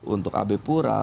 untuk ab pura